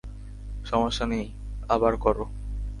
সমস্যা নেই, আবার করো।